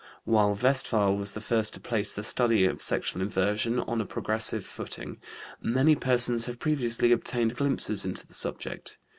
While Westphal was the first to place the study of sexual inversion on a progressive footing, many persons had previously obtained glimpses into the subject.